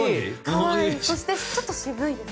そしてちょっと渋いですね。